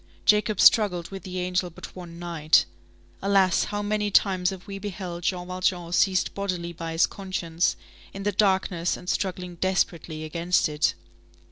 Jacob struggled with the angel but one night. Alas! how many times have we beheld Jean Valjean seized bodily by his conscience, in the darkness, and struggling desperately against it!